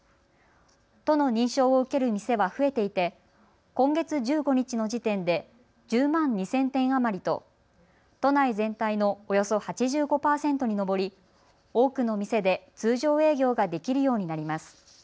都の認証を受ける店は増えていて今月１５日の時点で１０万２０００店余りと都内全体のおよそ８５％に上り多くの店で通常営業ができるようになります。